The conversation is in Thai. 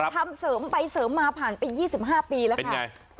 ทำเสริมไปเสริมมาผ่านไป๒๕ปีแล้วค่ะ